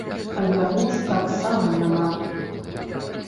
А яго ж таксама няма.